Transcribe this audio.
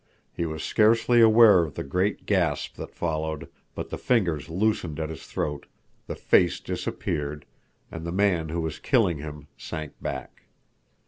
He was scarcely aware of the great gasp that followed, but the fingers loosened at his throat, the face disappeared, and the man who was killing him sank back.